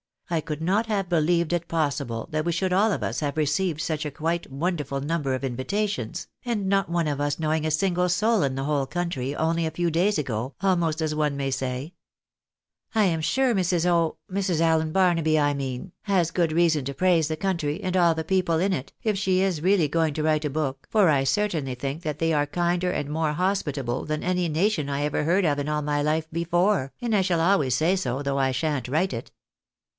I could not have believed it pos sible that we should all of us have received such a quite wonderful number of invitations, and not one of us knowing a single soul in the whole country, only a few days ago, almost as one may say. I am sure Mrs. O — Sirs. Allen Barnaby I mean, has good reason to praise the country, and all the people in it, if she is really going to write a book, for I certainly think that they are kinder and more hospitable than any nation I ever heard of in all my life before, and I shall always say so, though I shan't write it."